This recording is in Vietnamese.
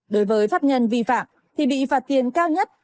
đối với pháp nhân vi phạm thì bị phạt tiền cao nhất